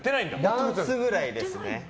ダンスぐらいですね。